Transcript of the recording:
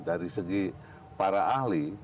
dari segi para ahli